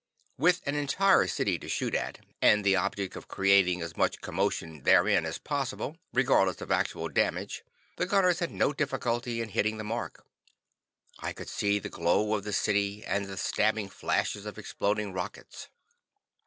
With an entire city to shoot at, and the object of creating as much commotion therein as possible, regardless of actual damage, the gunners had no difficulty in hitting the mark. I could see the glow of the city and the stabbing flashes of exploding rockets.